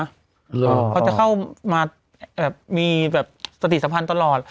เขาจะเข้ามามีแบบสติสัมพันธ์ตลอด